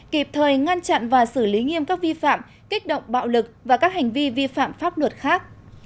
kịp thời ngăn chặn và xử lý nghiêm các vi phạm kích động bạo lực và các hành vi vi phạm pháp luật khác